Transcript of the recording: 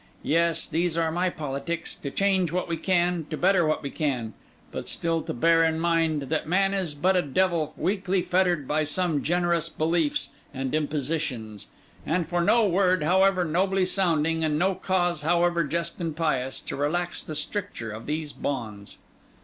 Yes, these are my politics: to change what we can, to better what we can; but still to bear in mind that man is but a devil weakly fettered by some generous beliefs and impositions, and for no word however nobly sounding, and no cause however just and pious, to relax the stricture of these bonds.